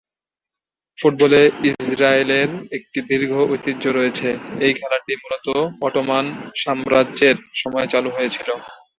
ফুটবলে ইসরায়েলের একটি দীর্ঘ ঐতিহ্য রয়েছে, এই খেলাটি মূলত অটোমান সাম্রাজ্যের সময়ে চালু হয়েছিল।